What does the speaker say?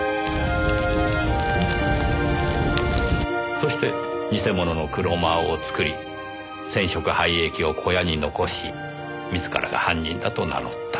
そして偽物のクロマーを作り染色廃液を小屋に残し自らが犯人だと名乗った。